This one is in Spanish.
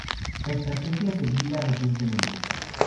la estrategia seguida recientemente